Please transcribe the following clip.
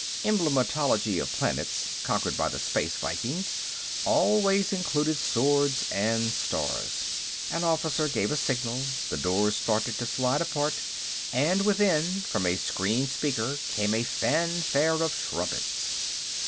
Emblematology of planets conquered by the Space Vikings always included swords and stars. An officer gave a signal; the doors started to slide apart, and within, from a screen speaker, came a fanfare of trumpets.